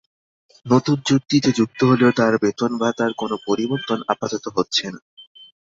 নতুন চুক্তিতে যুক্ত হলেও তাঁর বেতন ভাতার কোনো পরিবর্তন আপাতত হচ্ছে না।